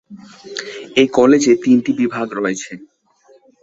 এই কলেজে তিনটি বিভাগ রয়েছে।